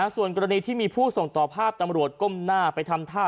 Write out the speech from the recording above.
ส่วนกรณีที่มีผู้ส่งต่อภาพตำรวจก้มหน้าไปทำท่า